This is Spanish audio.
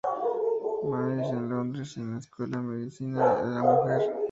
Marys en Londres y en la Escuela de Medicina de la Mujer.